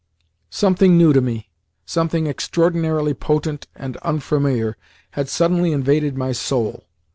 Something new to me, something extraordinarily potent and unfamiliar, had suddenly invaded my soul.